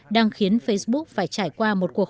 đang khiến facebook phải trải qua một cuộc